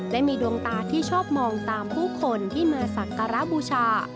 และมีดวงตาที่ชอบมองตามผู้คนที่มาสักการะบูชา